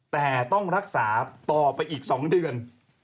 แต่ต้องรักษาต่อไปอีก๒เดือน